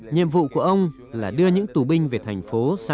nhiệm vụ của ông là đưa những tù binh về thành phố santiago de cuba